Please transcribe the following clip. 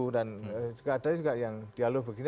dan juga ada yang dialog begini